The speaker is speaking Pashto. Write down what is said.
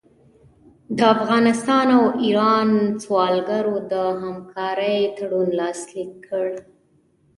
د افغانستان او ایران سوداګرو د همکارۍ تړون لاسلیک